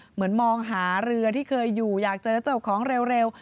เหมือนมองหาเรือที่เคยอยู่อยากเจอเจ้าของเร็ว